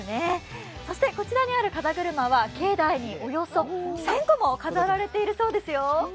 そして、こちらにあるかざぐるまは境内におよそ１０００個も飾られているそうですよ。